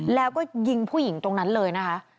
แล้วก็ยิงผู้หญิงตรงนั้นเลยนะคะ